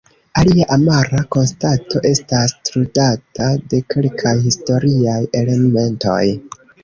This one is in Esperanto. Alia amara konstato estas trudata de kelkaj historiaj elementoj.